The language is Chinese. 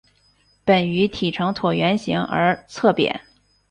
本鱼体呈椭圆形而侧扁。